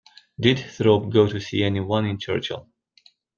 Did Thorpe go to see any one in Churchill.